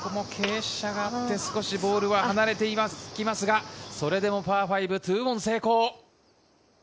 傾斜があって少しボールは離れていきますが、それでもパー５、２オン成功。